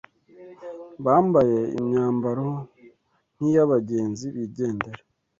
bambaye imyambaro nk’iy’abagenzi bigendera